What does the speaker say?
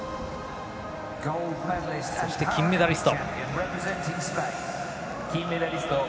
そして、金メダリスト。